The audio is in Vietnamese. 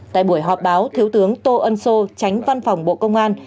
tại buổi họp báo thiếu tướng tô ân sô tránh văn phòng bộ công an